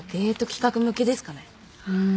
うん。